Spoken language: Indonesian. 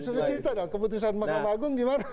sudah cerita dong keputusan mahkamah agung gimana